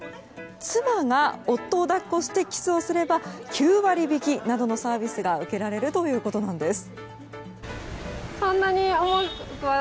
妻が夫を抱っこしてキスをすれば９割引きなどのサービスが受けられるということなんです。